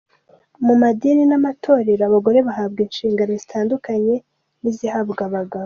Mu madini n’amatorero, abagore bahabwa inshingano zitandukanye n’izihabwa abagabo.